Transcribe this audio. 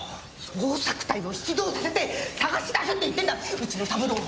捜索隊を出動させて捜し出せって言ってんだうちのサブローを。